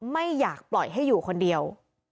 ไม่อยากปล่อยให้อยู่คนเดียว